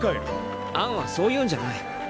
アンはそういうんじゃない。